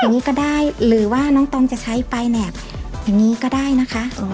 อย่างนี้ก็ได้หรือว่าน้องตองจะใช้ปลายแหนบอย่างนี้ก็ได้นะคะ